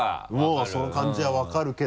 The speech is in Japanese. もうその感じは分かるけども。